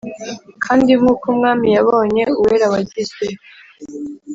Kandi nk uko umwami yabonye uwera wagizwe